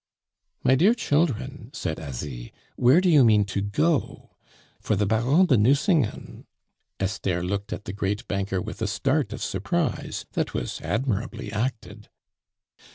"My dear children," said Asie, "where do you mean to go? For the Baron de Nucingen " Esther looked at the great banker with a start of surprise that was admirably acted.